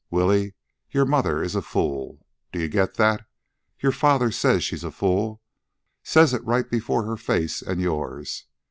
"Willie, your mother is a fool. Do you get that? Your father says she's a fool says it right before her face and yourn.